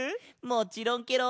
もちろんケロ！